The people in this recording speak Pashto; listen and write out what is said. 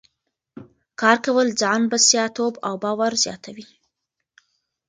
کار کول ځان بسیا توب او باور زیاتوي.